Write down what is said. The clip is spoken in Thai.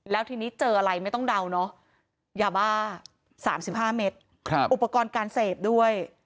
แล้วทีนี้เจออะไรไม่ต้องเดาเนาะยาบ้า๓๕เมตรอุปกรณ์การเสพด้วย